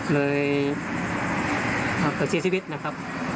เลยเอาเกิด๔๐วิทย์นะครับ